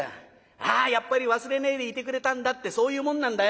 ああやっぱり忘れねえでいてくれたんだってそういうもんなんだよ。